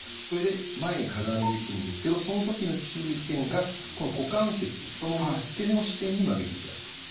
それで前にかがんでいくんですけどその時の注意点がこの股関節太ももの付け根を支点に曲げていただく。